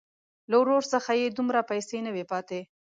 له ورور څخه یې دومره پیسې نه وې پاتې.